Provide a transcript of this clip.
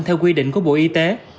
theo quy định của bộ y tế